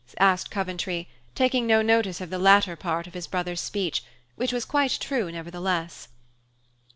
asked Coventry, taking no notice of the latter part of his brother's speech, which was quite true nevertheless.